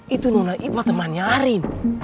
itu nona ipa temannya arin